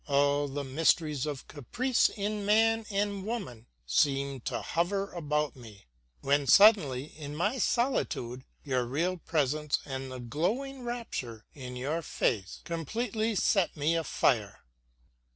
All the mysteries of caprice in man and woman seemed to hover about me, when suddenly in my solitude your real presence and the glowing rapture in your face completely set me afire.